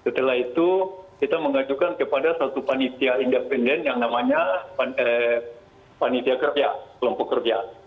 setelah itu kita mengajukan kepada satu panitia independen yang namanya panitia kerja kelompok kerja